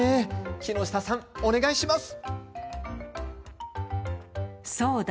木下さん、お願いします。